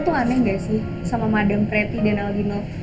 lo tuh aneh gak sih sama madang preti dan aldino